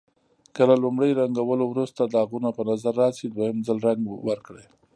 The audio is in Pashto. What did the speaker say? که له لومړي رنګولو وروسته داغونه په نظر راشي دویم ځل رنګ ورکړئ.